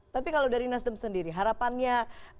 tapi kalau dari nasdem sendiri harapannya